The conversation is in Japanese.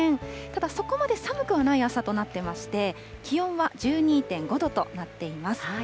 ただ、そこまで寒くはない朝となってまして、気温は１２．５度となっています。